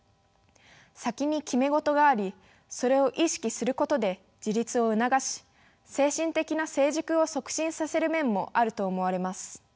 先に決めごとがありそれを意識することで自立を促し精神的な成熟を促進させる面もあると思われます。